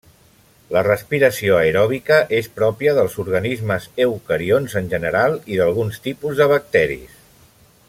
La respiració aeròbica és pròpia dels organismes eucarionts en general i d'alguns tipus de bacteris.